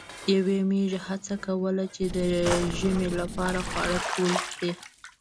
یوې میږی هڅه کوله چې د ژمي لپاره خواړه ټول کړي.